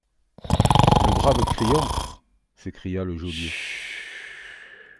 Le brave Crillon ? s'écria le geôlier.